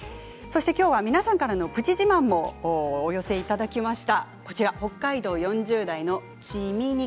皆さんからのプチ自慢もきょうはお寄せいただきました。